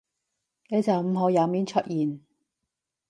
你就唔好有面出現